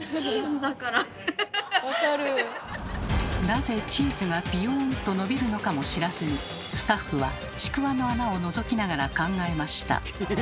なぜチーズがビヨンと伸びるのかも知らずにスタッフはちくわの穴をのぞきながら考えました。